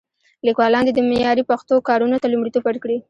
لیکوالان دې د معیاري پښتو کارونو ته لومړیتوب ورکړي.